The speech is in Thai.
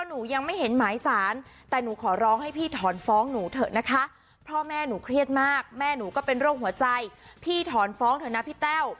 งานก๊อตมาทันที